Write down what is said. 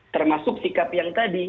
termasuk sikap yang tadi